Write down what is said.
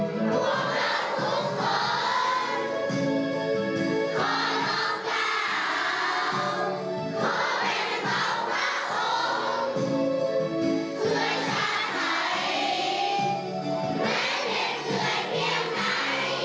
พวกเราทุกคนขอรับกล่าวขอเป็นบอกพระองค์ช่วยชาไทยแม่เห็นช่วยเพียงไหน